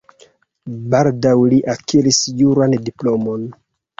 Baldaŭ li akiris juran diplomon.